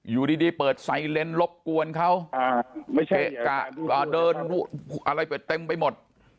อยู่ดีเปิดไซเง็นรบกวนเขาเกะกะเดินอะไรเป็นเต็มไปหมด